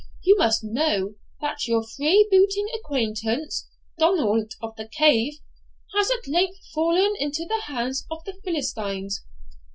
You must know, that your free booting acquaintance, Donald of the Cave, has at length fallen into the hands of the Philistines.